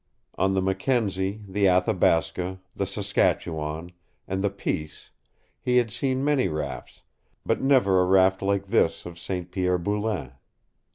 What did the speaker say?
On the Mackenzie, the Athabasca, the Saskatchewan, and the Peace he had seen many rafts, but never a raft like this of St. Pierre Boulain.